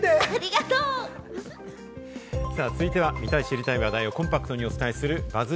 続いては見たい知りたい話題をコンパクトにお伝えするＢＵＺＺ